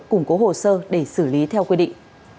củng cố hồ sơ để xử lý theo quy định